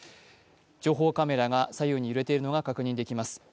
情報カメラが左右に揺れているのが確認できます。